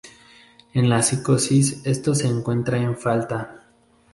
En la psicosis esto se encuentra en falta.